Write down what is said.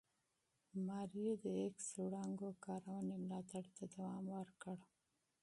ماري د ایکس وړانګو کارونې ملاتړ ته دوام ورکړ.